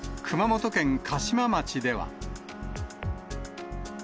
熊本県嘉島町では。